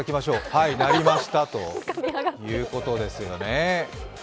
はい、なりましたということですよね。